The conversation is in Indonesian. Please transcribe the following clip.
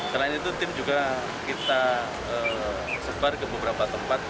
selain itu tim juga kita sebar ke beberapa tempat